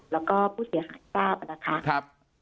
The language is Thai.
แล้วก็ผู้เสียหายทราบนะคะ